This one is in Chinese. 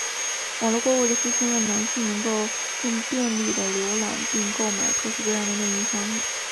网路购物的出现让男性能够更便利地浏览并购买各式各样的内衣商品。